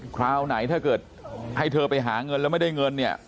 คราวไหนถ้าเกิดให้เธอไปหาเงินแล้วไม่ได้เงินเนี่ย